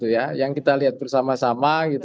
yang kita lihat bersama sama